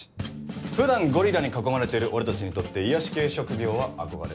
普段ゴリラに囲まれてる俺たちにとって癒やし系職業は憧れ。